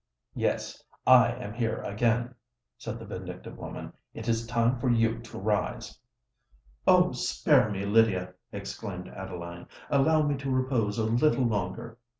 "Yes—I am here again," said the vindictive woman. "It is time for you to rise." "Oh! spare me, Lydia," exclaimed Adeline; "allow me to repose a little longer.